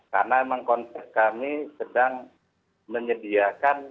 karena memang konsep kami sedang menyediakan